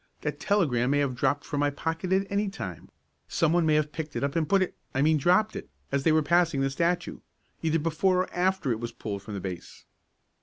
That telegram may have dropped from my pocket at any time, someone may have picked it up and put it I mean dropped it as they were passing the statue either before or after it was pulled from the base."